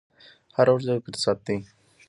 هره ورځ یو فرصت دی.